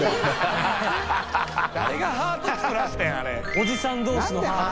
おじさん同士のハート。